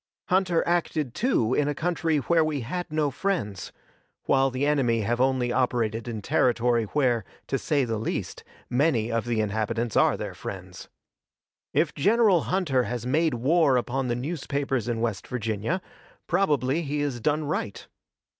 Hunter acted, too, in a country where we had no friends, while the enemy have only operated in territory where, to say the least, many of the inhabitants are their friends. If General Hunter has made war upon the newspapers in West Virginia, probably he has done right.